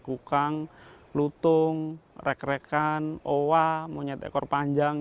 kukang lutung rek rekan owa monyet ekor panjang